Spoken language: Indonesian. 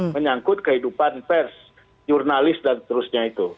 menyangkut kehidupan pers jurnalis dan seterusnya itu